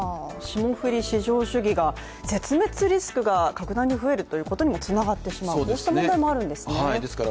霜降り至上主義が絶滅リスクが格段に増えるということにもつながってしまう、こうした問題もあるんですね。